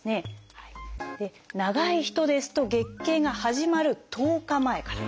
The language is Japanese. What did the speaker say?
長い人ですと月経が始まる１０日前から。